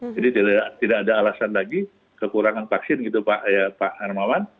jadi tidak ada alasan lagi kekurangan vaksin gitu pak armawan